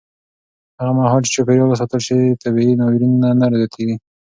هغه مهال چې چاپېریال وساتل شي، طبیعي ناورینونه نه زیاتېږي.